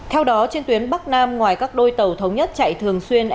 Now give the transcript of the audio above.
theo đó trên tuyến bắc nam ngoài các đôi tàu thống nhất chạy thường xuyên